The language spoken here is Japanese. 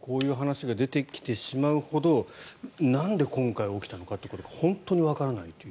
こういう話が出てきてしまうほどなんで今回、起きたということが本当にわからないという。